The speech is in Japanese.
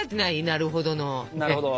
なるほどの。